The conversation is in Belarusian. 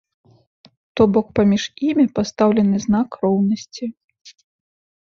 То бок паміж імі пастаўлены знак роўнасці.